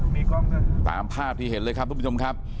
มีกล้องตามภาพที่เห็นเลยครับทุกผู้ชมครับ